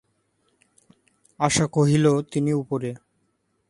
আশা কহিল, তিনি উপরে।